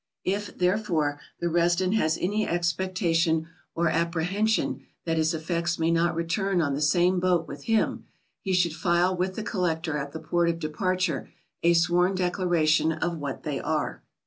If, therefore, the resident has any expectation or apprehen sion that his effects may not return on the same boat with him, he should file with the collector at the port of departure a sworn declaration of what they are.